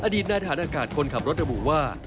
อดีตนายฐานอากาศคนขับรถระบุว่า